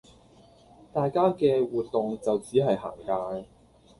大家嘅活動就只係行街